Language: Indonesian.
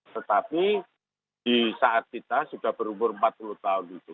tetapi di saat kita sudah berumur empat puluh tahun itu